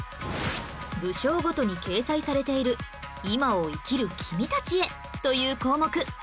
武将ごとに掲載されている「今を生きるキミたちへ！」という項目